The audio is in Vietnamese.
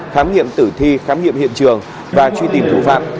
khám nghiệm tử thi khám nghiệm hiện trường và truy tìm thủ phạm